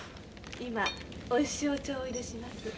今おいしいお茶をおいれします。